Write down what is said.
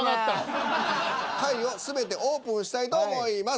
下位を全てオープンしたいと思います。